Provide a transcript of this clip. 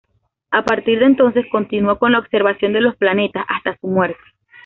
A partir de entonces, continuó con la observación de los planetas hasta su muerte.